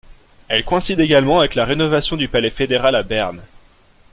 Elle coïncide également avec la rénovation du Palais fédéral à Berne.